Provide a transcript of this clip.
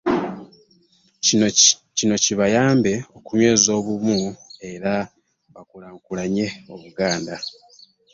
Kino kibayambe okunyweza obumu era bakulaakulanye Obuganda.